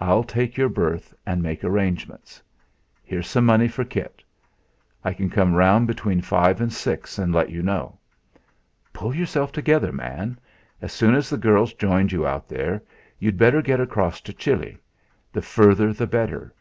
I'll take your berth and make arrangements. Here's some money for kit. I can come round between five and six, and let you know. Pull yourself together, man. As soon as the girl's joined you out there, you'd better get across to Chile, the further the better.